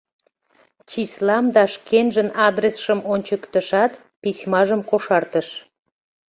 Числам да шкенжын адресшым ончыктышат, письмажым кошартыш.